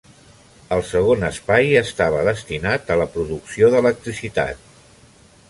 El segon espai estava destinat a la producció d'electricitat.